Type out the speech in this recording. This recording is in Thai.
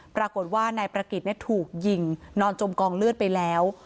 ปรากฏว่านายประกิจถูกยิงนอนจมกองเลือดไปแล้ว